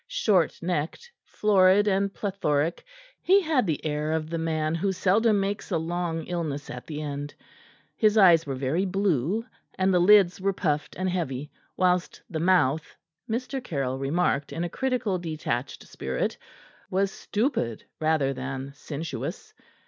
Short necked, florid and plethoric, he had the air of the man who seldom makes a long illness at the end. His eyes were very blue, and the lids were puffed and heavy, whilst the mouth, Mr. Caryll remarked in a critical, detached spirit, was stupid rather than sensuous.